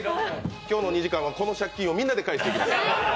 今日の２時間、この借金をみんなで返していきます。